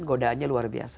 godaannya luar biasa